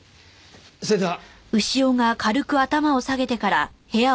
それでは。